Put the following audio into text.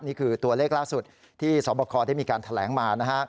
นี่คือตัวเลขล่าสุดที่สอบคอได้มีการแถลงมานะฮะ